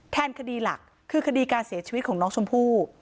คดีหลักคือคดีการเสียชีวิตของน้องชมพู่